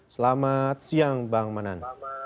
selamat siang bang manan